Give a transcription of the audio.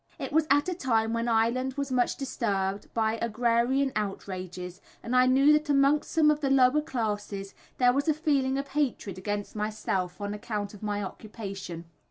It was at a time when Ireland was much disturbed by agrarian outrages, and I knew that amongst some of the lower classes there was a feeling of hatred against myself on account of my occupation.